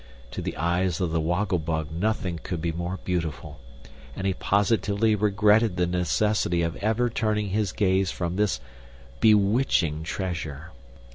To the eyes of the Woggle Bug nothing could be more beautiful, and he positively regretted the necessity of ever turning his gaze from this bewitching treasure.